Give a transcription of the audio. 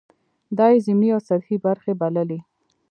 دا یې ضمني او سطحې برخې بللې.